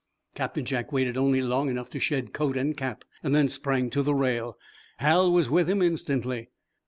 Captain Jack waited only long enough to shed coat and cap, then sprang to the rail. Hal was with him, instantly.